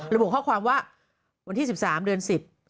ระบุข้อความว่าวันที่๑๓เดือน๑๐